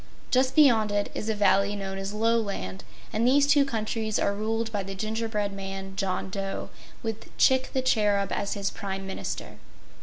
Just beyond it is a valley known as Loland, and these two countries are ruled by the Gingerbread Man, John Dough, with Chick the Cherub as his Prime Minister.